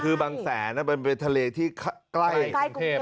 คือบางแสนมันเป็นทะเลที่ใกล้กรุงเทพ